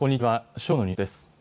正午のニュースです。